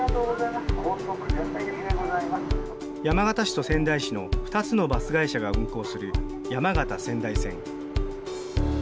山形市と仙台市の２つのバス会社が運行する山形・仙台線。